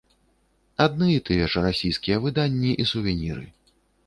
Адны і тыя ж расійскія выданні і сувеніры.